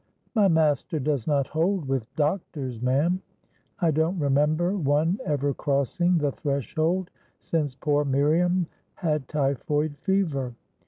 "My master does not hold with doctors, ma'am. I don't remember one ever crossing the threshold since poor Miriam had typhoid fever.